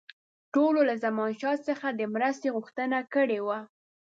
ټولو له زمانشاه څخه د مرستې غوښتنه کړې وه.